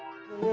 aku mau ngeres